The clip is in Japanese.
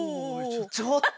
ちょっと！